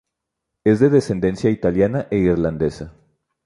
Es de descendencia italiana e irlandesa.